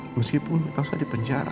meskipun elsa di penjara